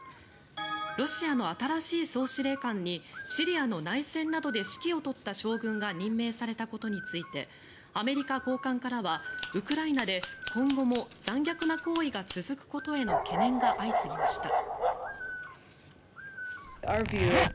ロシアの新しい総司令官にシリアの内戦などで指揮を執った将軍が任命されたことについてアメリカ高官からはウクライナで今後も残虐な行為が続くことへの懸念が相次ぎました。